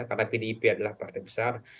karena pdip adalah partai besar